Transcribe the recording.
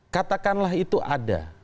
katakanlah itu ada